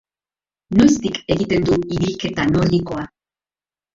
Noiztik egiten du ibilketa nordikoa?